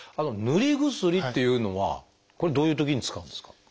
塗り薬っていうのはこれどういうときに使うんですか？